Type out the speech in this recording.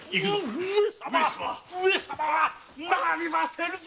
上様なりませぬぞ